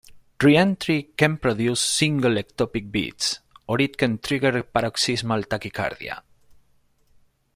Reentry can produce single ectopic beats, or it can trigger paroxysmal tachycardia.